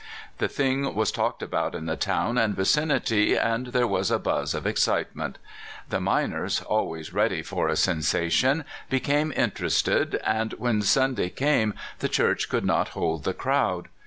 The thing was talked about in the town and vicinity, and there was a buzz of excitement. The miners, always ready for a sensation, became interested, SANDEBS. 231 and when Sunday came the church could not hold the crowd.